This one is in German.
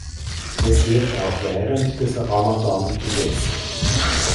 Es wird auch während des Ramadan gegessen.